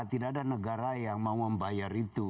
tidak ada negara yang mau membayar itu